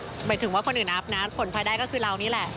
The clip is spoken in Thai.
หมายถึงว่าคนอื่นอัพนะผลภายได้ก็คือเรานี่แหละ